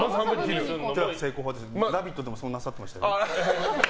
「ラヴィット！」でもそうなさっていましたよ。